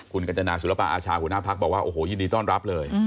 คุณกัญจนาศิลปะอาชาหัวหน้าพักบอกว่าโอ้โหยินดีต้อนรับเลย